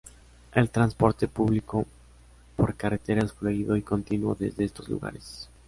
El transporte público por carretera es fluido y continuo desde estos lugares.